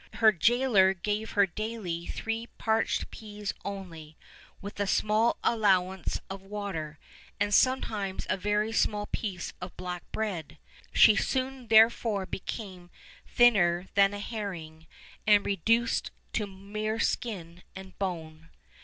Her jailer gave her daily three parched peas only, with a small allowance of water, and sometimes a very small piece of black bread. She soon therefore became thinner than a herring, and reduced to mere skin and bone.